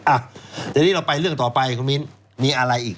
อ่ะทีนี้เราไปเรื่องต่อไปคุณมิ้นมีอะไรอีก